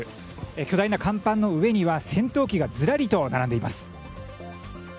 巨大な甲板の上には戦闘機がずらりと並んでいます。